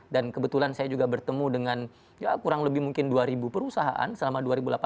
dan kebetulan saya juga bertemu dengan kurang lebih mungkin dua ribu perusahaan selama dua ribu delapan belas